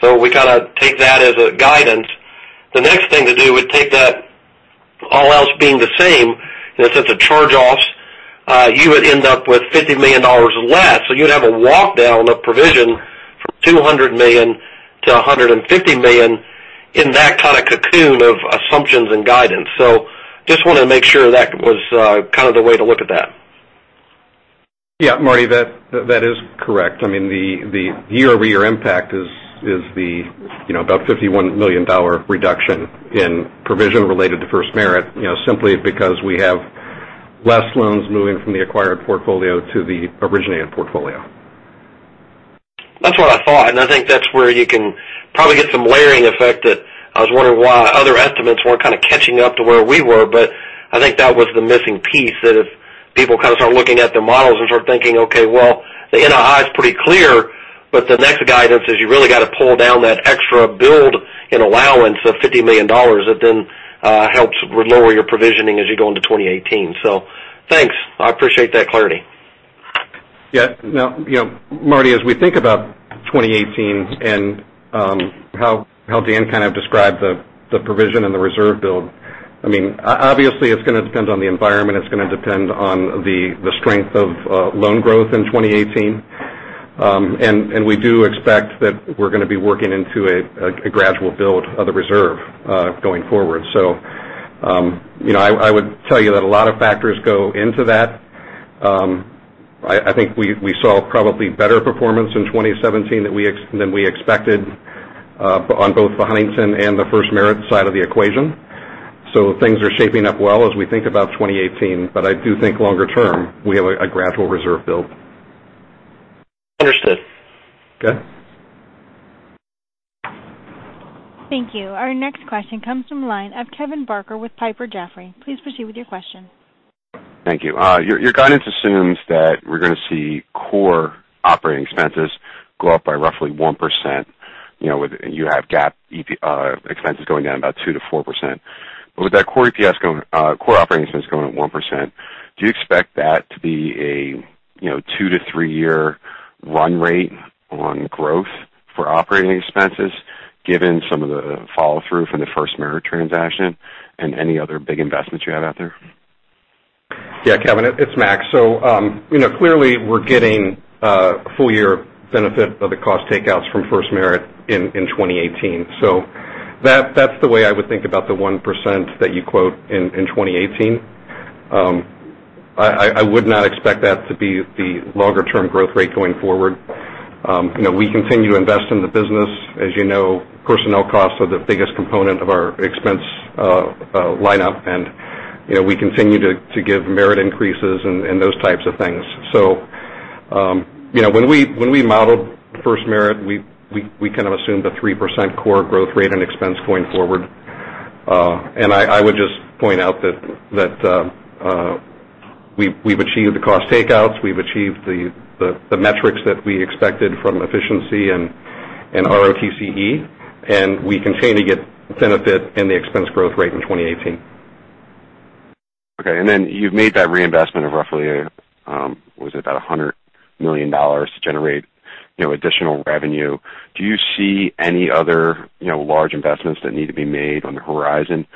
so we kind of take that as a guidance. The next thing to do would take that all else being the same in a sense of charge-offs, you would end up with $50 million less. You'd have a walk down of provision $200 million to $150 million in that kind of cocoon of assumptions and guidance. Just wanted to make sure that was kind of the way to look at that. Yeah, Marty, that is correct. I mean, the year-over-year impact is about $51 million reduction in provision related to FirstMerit, simply because we have less loans moving from the acquired portfolio to the originated portfolio. That's what I thought, and I think that's where you can probably get some layering effect that I was wondering why other estimates weren't kind of catching up to where we were. I think that was the missing piece, that if people kind of start looking at their models and start thinking, okay, well, the NII's pretty clear, but the next guidance is you really got to pull down that extra build in allowance of $50 million that then helps lower your provisioning as you go into 2018. Thanks. I appreciate that clarity. Yeah. Now, Marty, as we think about 2018 and how Dan kind of described the provision and the reserve build, obviously it's going to depend on the environment, it's going to depend on the strength of loan growth in 2018. We do expect that we're going to be working into a gradual build of the reserve going forward. I would tell you that a lot of factors go into that. I think we saw probably better performance in 2017 than we expected on both the Huntington and the FirstMerit side of the equation. Things are shaping up well as we think about 2018. I do think longer term, we have a gradual reserve build. Understood. Okay. Thank you. Our next question comes from the line of Kevin Barker with Piper Jaffray. Please proceed with your question. Thank you. Your guidance assumes that we're going to see core operating expenses go up by roughly 1%, and you have GAAP expenses going down about 2%-4%. With that core operating expense going up 1%, do you expect that to be a two to three year run rate on growth for operating expenses, given some of the follow through from the FirstMerit transaction and any other big investments you have out there? Kevin, it's Mac. Clearly we're getting a full year benefit of the cost takeouts from FirstMerit in 2018. That's the way I would think about the 1% that you quote in 2018. I would not expect that to be the longer term growth rate going forward. We continue to invest in the business. As you know, personnel costs are the biggest component of our expense lineup, and we continue to give merit increases and those types of things. When we modeled FirstMerit, we kind of assumed a 3% core growth rate and expense going forward. I would just point out that we've achieved the cost takeouts. We've achieved the metrics that we expected from efficiency and ROTCE, and we continue to get benefit in the expense growth rate in 2018. Okay, you've made that reinvestment of roughly, was it about $100 million to generate additional revenue? Do you see any other large investments that need to be made on the horizon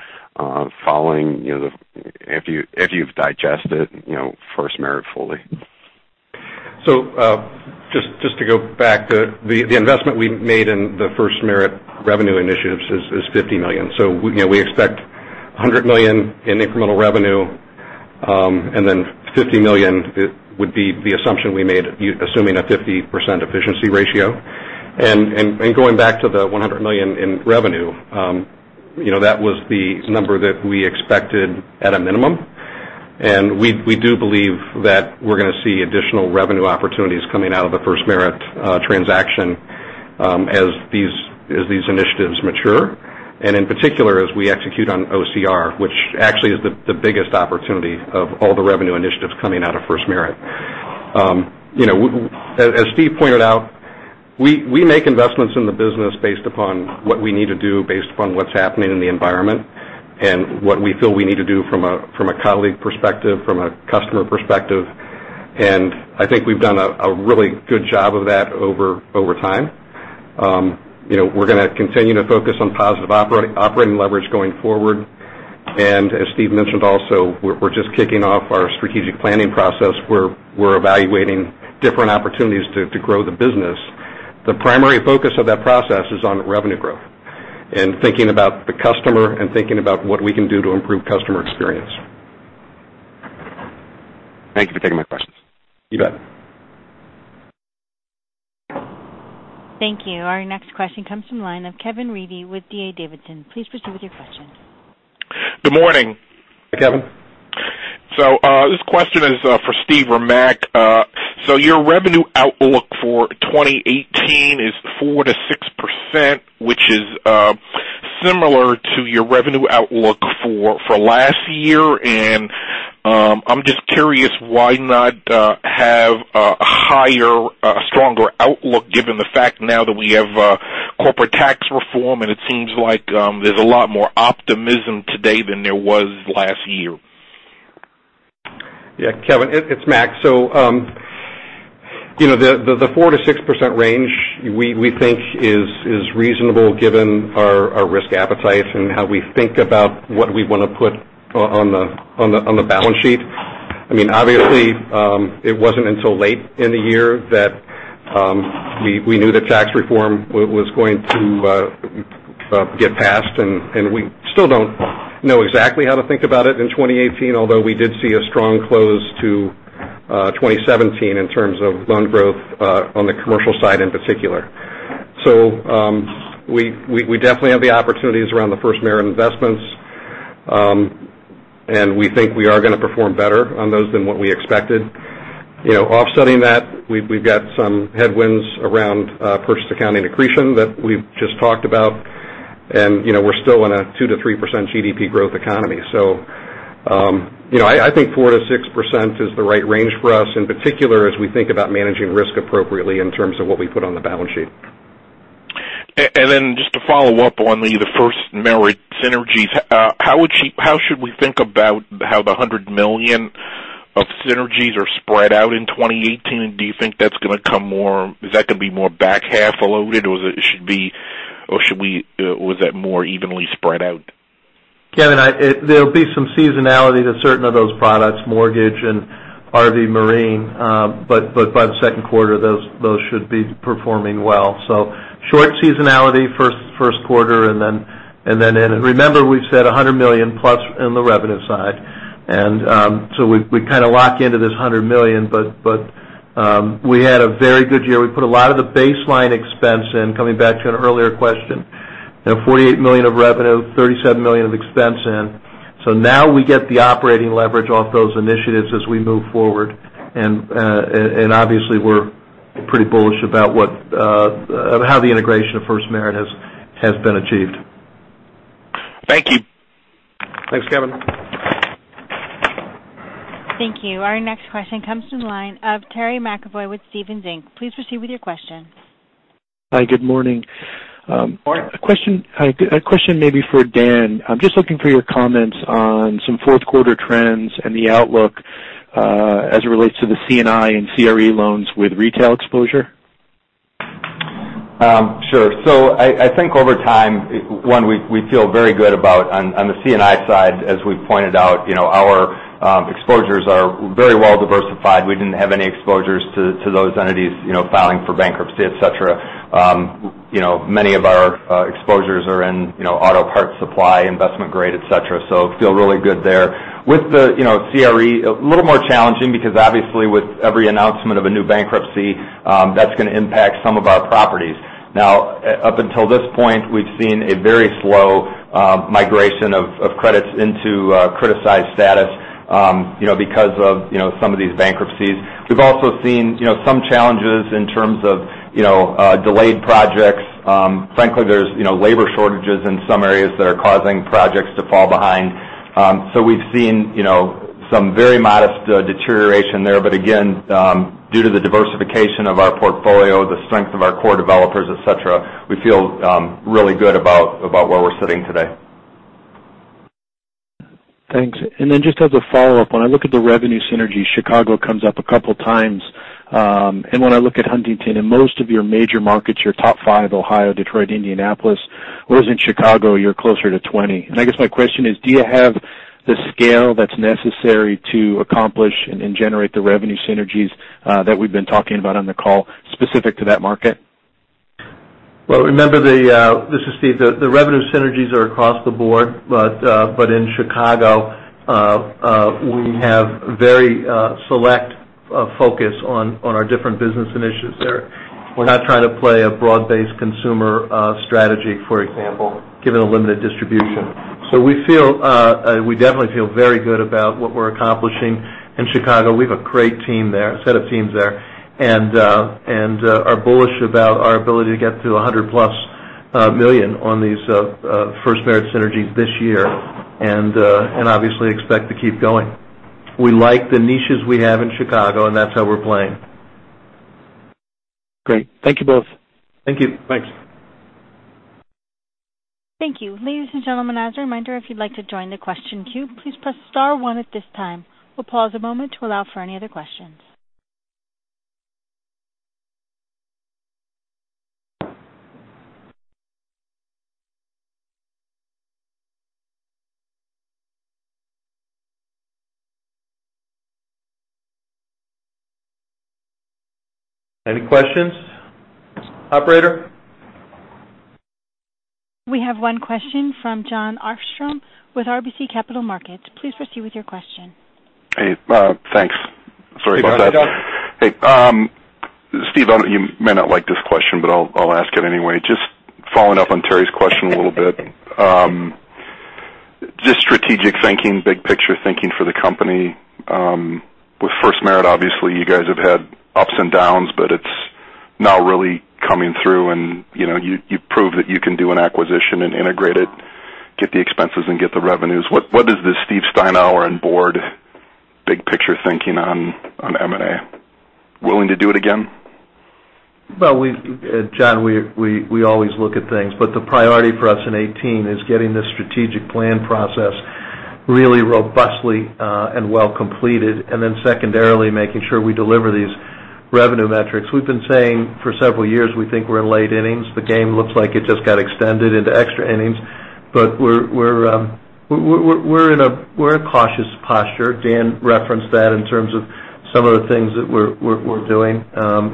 following, after you've digested FirstMerit fully? Just to go back, the investment we made in the FirstMerit revenue initiatives is $50 million. We expect $100 million in incremental revenue, $50 million would be the assumption we made, assuming a 50% efficiency ratio. Going back to the $100 million in revenue, that was the number that we expected at a minimum. We do believe that we're going to see additional revenue opportunities coming out of the FirstMerit transaction as these initiatives mature. In particular, as we execute on OCR, which actually is the biggest opportunity of all the revenue initiatives coming out of FirstMerit. As Steve pointed out, we make investments in the business based upon what we need to do based upon what's happening in the environment and what we feel we need to do from a colleague perspective, from a customer perspective. I think we've done a really good job of that over time. We're going to continue to focus on positive operating leverage going forward. As Steve mentioned also, we're just kicking off our strategic planning process. We're evaluating different opportunities to grow the business. The primary focus of that process is on revenue growth and thinking about the customer and thinking about what we can do to improve customer experience. Thank you for taking my questions. You bet. Thank you. Our next question comes from the line of Kevin Reevey with D.A. Davidson. Please proceed with your question. Good morning. Hey, Kevin. This question is for Steve or Mac. Your revenue outlook for 2018 is 4%-6%, which is similar to your revenue outlook for last year, I'm just curious why not have a higher, stronger outlook given the fact now that we have corporate tax reform and it seems like there's a lot more optimism today than there was last year? Yeah, Kevin, it's Mac. The 4%-6% range we think is reasonable given our risk appetite and how we think about what we want to put on the balance sheet. Obviously, it wasn't until late in the year that we knew that tax reform was going to get passed, and we still don't know exactly how to think about it in 2018, although we did see a strong close to 2017 in terms of loan growth on the commercial side in particular. We definitely have the opportunities around the FirstMerit investments. We think we are going to perform better on those than what we expected. Offsetting that, we've got some headwinds around purchase accounting accretion that we've just talked about, and we're still in a 2%-3% GDP growth economy. I think 4%-6% is the right range for us, in particular, as we think about managing risk appropriately in terms of what we put on the balance sheet. Just to follow up on the FirstMerit synergies, how should we think about how the $100 million of synergies are spread out in 2018? Do you think that's going to be more back half loaded, or should it be, or was that more evenly spread out? Kevin, there'll be some seasonality to certain of those products, mortgage and RV and marine. By the second quarter, those should be performing well. Short seasonality first quarter and then, remember, we've said $100 million plus in the revenue side. We kind of lock into this $100 million. We had a very good year. We put a lot of the baseline expense in, coming back to an earlier question. $48 million of revenue, $37 million of expense in. Now we get the operating leverage off those initiatives as we move forward. Obviously, we're pretty bullish about how the integration of FirstMerit has been achieved. Thank you. Thanks, Kevin. Thank you. Our next question comes from the line of Terry McEvoy with Stephens Inc. Please proceed with your question. Hi, good morning. Morning. A question maybe for Dan. I'm just looking for your comments on some fourth quarter trends and the outlook as it relates to the C&I and CRE loans with retail exposure. I think over time, one, we feel very good about on the C&I side, as we pointed out, our exposures are very well diversified. We didn't have any exposures to those entities filing for bankruptcy, et cetera. Many of our exposures are in auto parts supply, investment grade, et cetera. Feel really good there. With the CRE, a little more challenging because obviously with every announcement of a new bankruptcy, that's going to impact some of our properties. Now, up until this point, we've seen a very slow migration of credits into criticized status because of some of these bankruptcies. We've also seen some challenges in terms of delayed projects. Frankly, there's labor shortages in some areas that are causing projects to fall behind. We've seen some very modest deterioration there, but again, due to the diversification of our portfolio, the strength of our core developers, et cetera, we feel really good about where we're sitting today. Thanks. Just as a follow-up, when I look at the revenue synergy, Chicago comes up a couple times. When I look at Huntington, in most of your major markets, your top five, Ohio, Detroit, Indianapolis, whereas in Chicago, you're closer to 20. I guess my question is, do you have the scale that's necessary to accomplish and generate the revenue synergies that we've been talking about on the call specific to that market? Well, this is Steve, the revenue synergies are across the board, but in Chicago, we have very select focus on our different business initiatives there. We're not trying to play a broad-based consumer strategy, for example, given the limited distribution. We definitely feel very good about what we're accomplishing in Chicago. We have a great set of teams there and are bullish about our ability to get to $100 plus million on these FirstMerit synergies this year and obviously expect to keep going. We like the niches we have in Chicago, and that's how we're playing. Great. Thank you both. Thank you. Thanks. Thank you. Ladies and gentlemen, as a reminder, if you'd like to join the question queue, please press star one at this time. We'll pause a moment to allow for any other questions. Any questions? Operator? We have one question from Jon Arfstrom with RBC Capital Markets. Please proceed with your question. Hey, thanks. Sorry about that. You got it. Hey, Steve, you may not like this question, but I'll ask it anyway. Just following up on Terry's question a little bit. Just strategic thinking, big picture thinking for the company. With FirstMerit, obviously, you guys have had ups and downs, but it's now really coming through, and you've proved that you can do an acquisition and integrate it, get the expenses, and get the revenues. What is the Steve Steinour and board big picture thinking on M&A? Willing to do it again? Well, Jon, we always look at things, but the priority for us in 2018 is getting this strategic plan process really robustly and well completed. Then secondarily, making sure we deliver these Revenue metrics. We've been saying for several years, we think we're in late innings. The game looks like it just got extended into extra innings. We're in a cautious posture. Dan referenced that in terms of some of the things that we're doing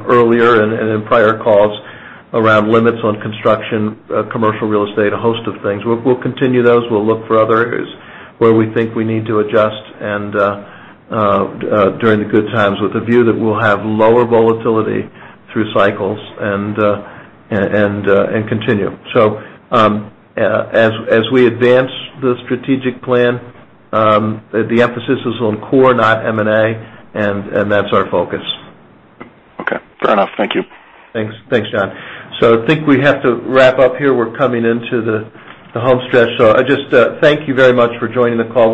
earlier and in prior calls around limits on construction, commercial real estate, a host of things. We'll continue those. We'll look for other areas where we think we need to adjust and during the good times with a view that we'll have lower volatility through cycles and continue. As we advance the strategic plan, the emphasis is on core, not M&A, and that's our focus. Okay, fair enough. Thank you. Thanks, Jon. I think we have to wrap up here. We're coming into the home stretch. I just thank you very much for joining the call.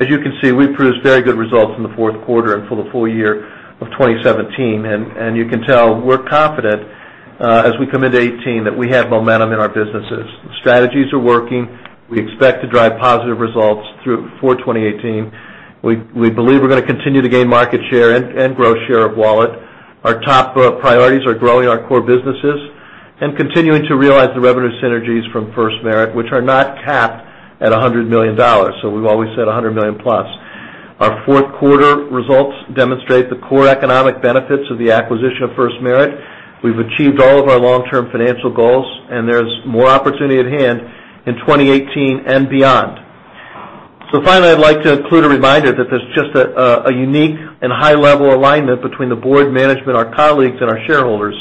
As you can see, we produced very good results in the fourth quarter and for the full year of 2017. You can tell we're confident as we come into 2018 that we have momentum in our businesses. Strategies are working. We expect to drive positive results for 2018. We believe we're going to continue to gain market share and grow share of wallet. Our top priorities are growing our core businesses and continuing to realize the revenue synergies from FirstMerit, which are not capped at $100 million. We've always said $100 million plus. Our fourth quarter results demonstrate the core economic benefits of the acquisition of FirstMerit. We've achieved all of our long-term financial goals. There's more opportunity at hand in 2018 and beyond. Finally, I'd like to include a reminder that there's just a unique and high-level alignment between the board management, our colleagues, and our shareholders.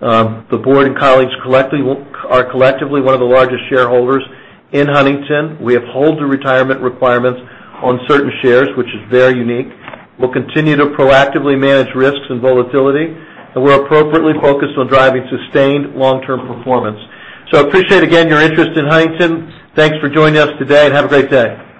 The board and colleagues are collectively one of the largest shareholders in Huntington. We uphold the retirement requirements on certain shares, which is very unique. We'll continue to proactively manage risks and volatility. We're appropriately focused on driving sustained long-term performance. Appreciate again your interest in Huntington. Thanks for joining us today, and have a great day.